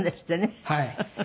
はい。